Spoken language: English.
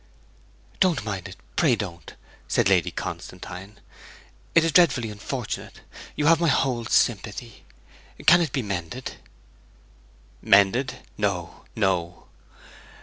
'Don't mind it, pray don't!' said Lady Constantine. 'It is dreadfully unfortunate! You have my whole sympathy. Can it be mended?' 'Mended, no, no!'